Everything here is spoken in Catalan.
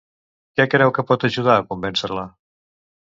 Què creu que pot ajudar a convèncer-la?